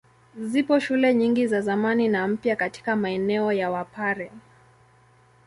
Zipo shule nyingi za zamani na mpya katika maeneo ya Wapare.